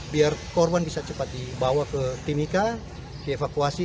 biar korban bisa cepat dibawa ke timika dievakuasi